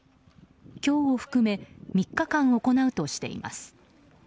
今日を含め３日間行うとしています。